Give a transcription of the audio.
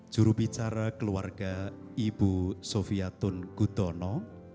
jurubicara keluarga ibu sofiatun gudono